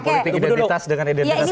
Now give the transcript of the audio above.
politik identitas dengan identitas